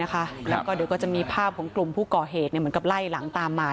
แล้วก็เดี๋ยวก็จะมีภาพของกลุ่มผู้ก่อเหตุเหมือนกับไล่หลังตามมา